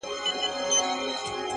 وخت د بې پروایۍ قیمت اخلي.